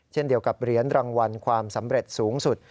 เช่นเดียวกับเหรียญรางวัลความสำเร็จสูงสุด